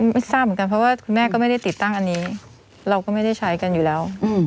ไม่ทราบเหมือนกันเพราะว่าคุณแม่ก็ไม่ได้ติดตั้งอันนี้เราก็ไม่ได้ใช้กันอยู่แล้ว